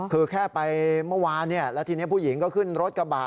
คือแค่ไปเมื่อวานแล้วทีนี้ผู้หญิงก็ขึ้นรถกระบะ